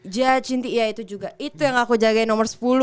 giacinti iya itu juga itu yang aku jagain nomor sepuluh